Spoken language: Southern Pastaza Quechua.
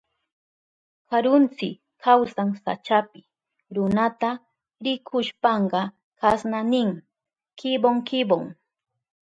Karuntsi kawsan sachapi. Runata rikushpanka kasna nin: kibon kibon.